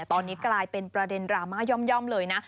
ตอนนี้กลายเป็นประเด็นดราม่าย่อมเลยนะ